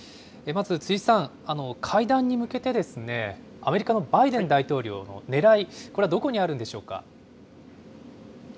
まず辻さん、会談に向けて、アメリカのバイデン大統領のねらい、これはどこにあるんでしょうか。